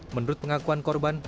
menurut pengakuan korban